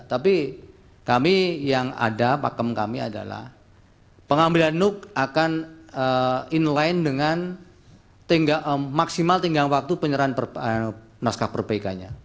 tapi kami yang ada pakem kami adalah pengambilan nuk akan inline dengan maksimal tinggal waktu penyerahan naskah perbaikan